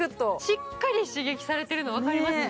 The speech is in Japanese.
しっかり刺激されているのが分かりますね。